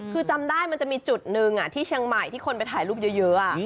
คือจำได้มันจะมีจุดหนึ่งที่เชียงใหม่ที่คนไปถ่ายรูปเยอะ